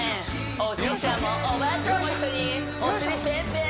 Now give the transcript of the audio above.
おじいちゃんもおばあちゃんも一緒にお尻ペンペン！